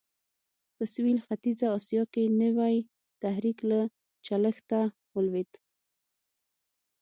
په سوېل ختیځه اسیا کې نوی تحرک له چلښته ولوېد.